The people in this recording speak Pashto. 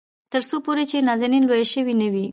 تر څو پورې چې نازنين لويه شوې نه وي.